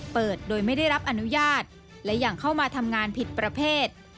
เปิดโดยไม่ได้รับอนุญาตและอย่างเข้ามาทำงานผิดประเภท